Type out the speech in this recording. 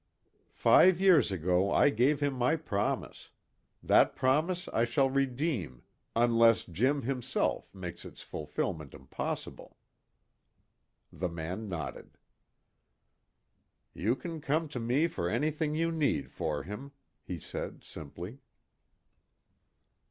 "Five years ago I gave him my promise. That promise I shall redeem, unless Jim, himself, makes its fulfilment impossible." The man nodded. "You can come to me for anything you need for him," he said simply.